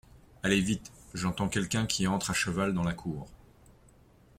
Allez vite… j’entends quelqu’un qui entre à cheval dans la cour.